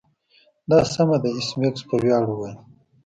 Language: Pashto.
دا سمه ده ایس میکس په ویاړ وویل